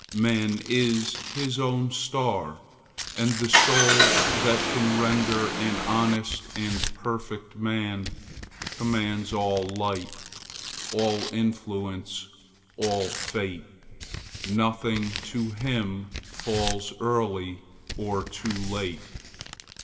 "Man is his own star; and the soul that can Render an honest and a perfect man, Commands all light, all influence, all fate; Nothing to him falls early or too late.